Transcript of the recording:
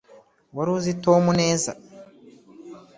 wari uzi tom neza